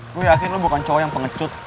gue yakin lo bukan cowok yang pengecut